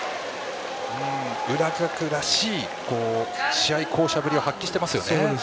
浦学らしい試合巧者ぶりを発揮していますね。